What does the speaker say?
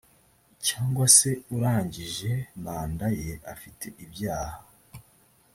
cyangwa se urangije manda ye afite ibyaha